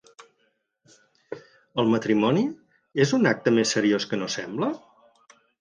El matrimoni, és un acte més seriós que no sembla?